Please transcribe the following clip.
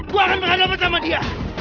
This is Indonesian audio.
gue akan berhadapan sama dia